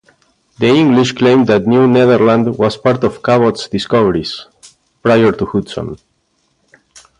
The English claimed that New Netherland was part of Cabot's discoveries, prior to Hudson.